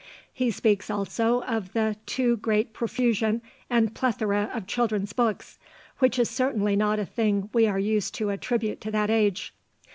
He speaks also of the "too great profusion and plethora of children's books," which is certainly not a thing we are used to attribute to that age.